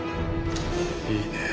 いいねえ。